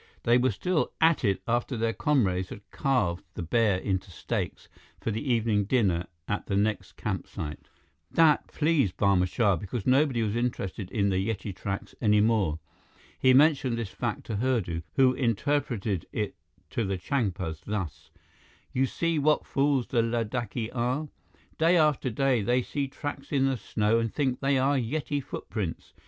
They were still at it after their comrades had carved the bear into steaks for the evening dinner at the next campsite. That pleased Barma Shah, because nobody was interested in the Yeti tracks any more. He mentioned this fact to Hurdu, who interpreted it to the Changpas thus: "You see what fools the Ladakhi are? Day after day, they see tracks in the snow and think they are Yeti footprints.